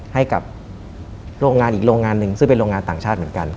ให้กับโรงงานอีกโรงงานหนึ่งซึ่งเป็นโรงงานต่างชาติเหมือนกัน